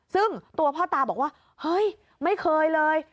ซึ่งตัวพ่อตาบอกว่าเฮ้ยไม่เคยเลย